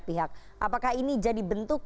pihak apakah ini jadi bentuk